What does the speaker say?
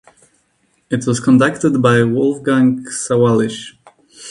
It was conducted by Wolfgang Sawallisch.